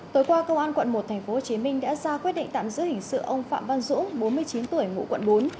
tối qua công an quận một tp hcm đã ra quyết định tạm giữ hình sự ông phạm văn dũng bốn mươi chín tuổi ngụ quận bốn